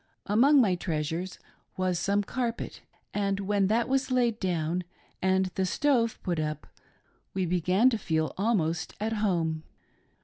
Among my treasures was some cairpet, and when that was laid down and the stove put up we began to feel almost at ' home.